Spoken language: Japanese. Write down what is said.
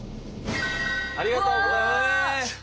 ありがとうございます！